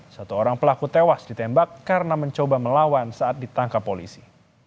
satu orang pelaku tewas ditembak karena mencoba melawan saat ditangkap polisi